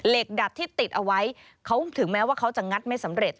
ดัดที่ติดเอาไว้เขาถึงแม้ว่าเขาจะงัดไม่สำเร็จ